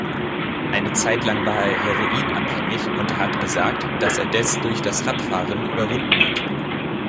Eine Zeitlang war er heroinabhängig, und er hat gesagt, dass er des durch das Radfahren überwunden hat.